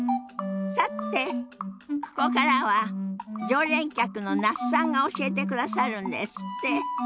さてここからは常連客の那須さんが教えてくださるんですって。